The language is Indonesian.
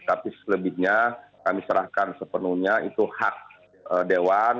tapi selebihnya kami serahkan sepenuhnya itu hak dewan